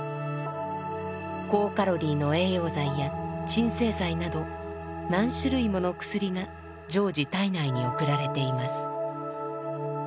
高カロリーの栄養剤や鎮静剤など何種類もの薬が常時体内に送られています。